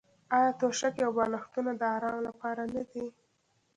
آیا توشکې او بالښتونه د ارام لپاره نه دي؟